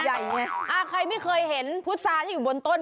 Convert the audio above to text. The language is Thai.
อ่าใครไม่เคยเห็นพุษาที่อยู่บนต้น